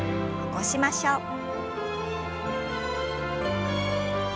起こしましょう。